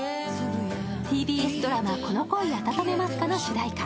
ＴＢＳドラマ「この恋あたためますか」の主題歌。